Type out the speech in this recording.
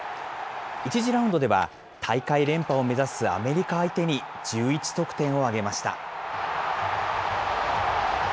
１次ラウンドでは、大会連覇を目指すアメリカ相手に１１得点を挙げました。